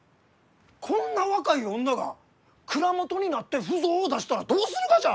こんな若い女が蔵元になって腐造を出したらどうするがじゃ！？